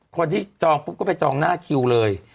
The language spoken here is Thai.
คนที่จองปุ๊บก็ไปจองหน้าคิวเลย